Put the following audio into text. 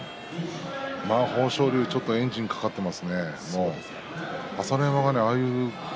豊昇龍ちょっとエンジンかかってますね、